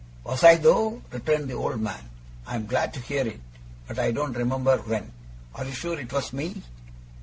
'Was I though?' returned the old man. 'I'm glad to hear it, but I don't remember when. Are you sure it was me?